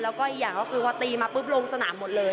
แล้วก็อีกอย่างก็คือพอตีมาปุ๊บลงสนามหมดเลย